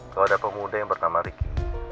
kalau ada pemuda yang bernama ricky